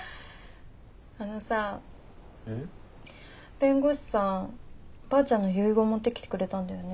弁護士さんばあちゃんの遺言持ってきてくれたんだよね？